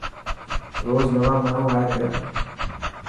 روز نوا ماڻهو آئي پيا.